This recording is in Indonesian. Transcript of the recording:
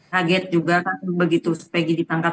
kaget juga begitu peggy ditangkap